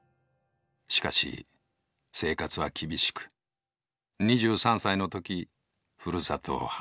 しかし生活は厳しく２３歳のときふるさとを離れた。